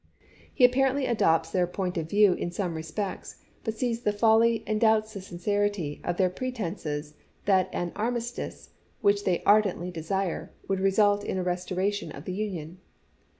He apparently adopts their point of view in some respects, but sees the folly, and doubts the sincerity, of their pretenses that an ar mistice, which they ardently desire, would result in a restoration of the Union.